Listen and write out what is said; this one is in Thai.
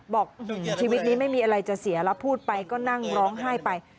บอกชีวิตนี้ไม่มีอะไรจะเสียแล้วพูดไปก็นั่งร้องไห้ไป